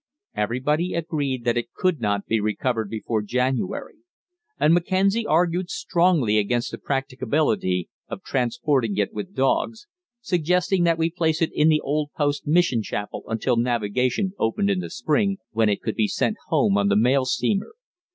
Everybody agreed that it could not be recovered before January, and Mackenzie argued strongly against the practicability of transporting it with dogs, suggesting that we place it in the old post mission chapel until navigation opened in the spring, when it could be sent home on the mail steamer.